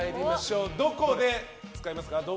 どこで使いますか。